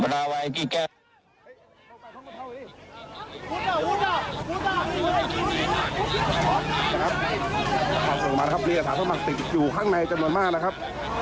อาคารถล่มลงมานะครับมีอาสาธิ์ธรรมักติดอยู่ข้างในจังหวัญมากนะครับ